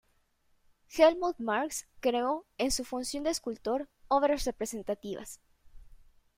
Helmuth Marx creó, en su función de escultor, obras representativas.